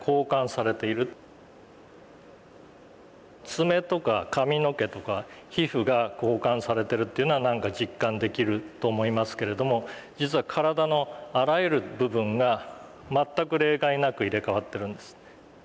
爪とか髪の毛とか皮膚が交換されてるっていうのはなんか実感できると思いますけれども実は体のあらゆる部分が全く例外なく入れ替わってるんです。